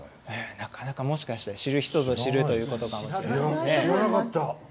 なかなかもしかしたら知る人ぞ知るということかもしれません。